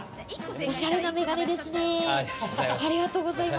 おしゃれな眼鏡ですね。